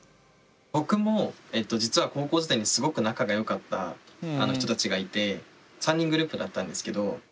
僕も実は高校時代にすごく仲がよかった人たちがいて３人グループだったんですけど。